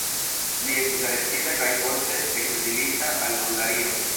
Li estis arestita kaj poste ekzilita al Bulgario.